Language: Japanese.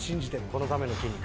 このための筋肉。